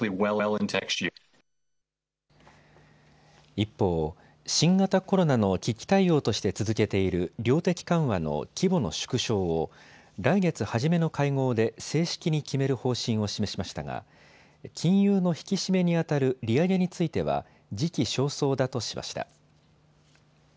一方、新型コロナの危機対応として続けている量的緩和の規模の縮小を来月初めの会合で正式に決める方針を示しましたが金融の引き締めにあたる利上げについては時期尚早だとしました。